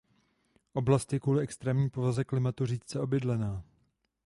Oblast je kvůli extrémní povaze klimatu řídce obydlená.